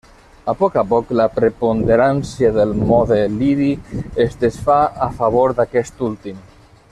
A poc a poc, la preponderància del mode lidi es desfà a favor d'aquest últim.